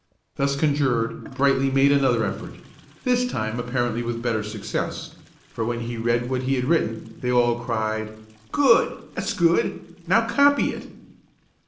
Thus conjured, Brightly made another effort, this time apparently with better success; for when he read what he had written, they all cried, "Good! that's good! now copy it!"